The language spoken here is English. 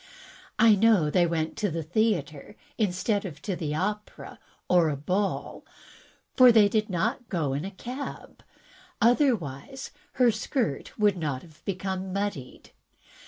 I know they went to the theatre, instead of to the opera or a ball, for they did not go in a cab, otherwise her skirt would not have become muddied.